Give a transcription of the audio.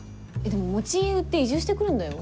でも持ち家売って移住してくるんだよ。